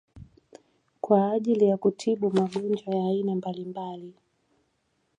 kwa ajili ya kutibu magonjwa ya aina mbalimbali